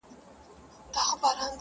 • د کشپ غوندي به مځکي ته رالویږي ,